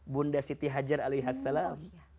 bunda siti hajar alaihassalam